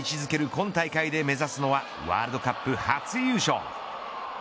今大会で目指すのはワールドカップ初優勝。